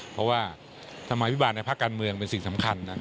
เพราะว่าสมัยพิบาลในภาคการเมืองเป็นสิ่งสำคัญนะ